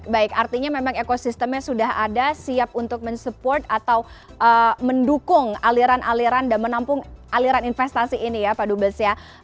baik artinya memang ekosistemnya sudah ada siap untuk mensupport atau mendukung aliran aliran dan menampung aliran investasi ini ya pak dubes ya